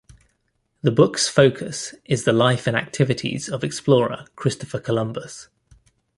The book's focus is the life and activities of explorer, Christopher Columbus.